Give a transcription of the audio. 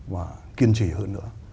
và kiên trì hơn nữa